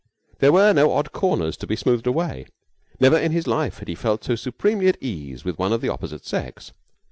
There were no odd corners to be smoothed away. Never in his life had he felt so supremely at his ease with one of the opposite sex.